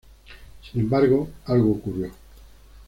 Sin embargo, algo ocurrió.